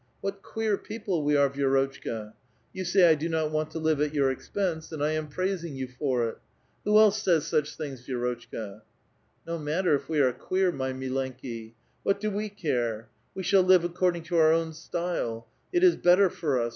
What queer people we ai'e, Vi^rotchka! Y'ou say, ' 1 do not want to live at your expense,' and I am praising you for it ! Who else says such things, Vi^rotchka? "*' No matter if we are queer, my milenki ; what do we care? We shall live according to our own style ; it is better for us.